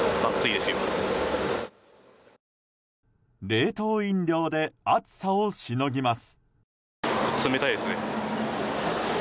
冷凍飲料で暑さをしのぎます。